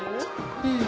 うん。